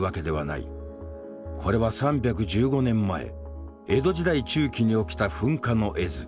これは３１５年前江戸時代中期に起きた噴火の絵図。